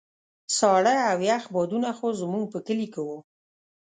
ساړه او يخ بادونه خو زموږ په کلي کې وو.